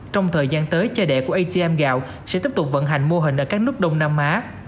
trong thời gian tới che đẻ của atm gạo sẽ tiếp tục vận hành mô hình ở các nước đông nam á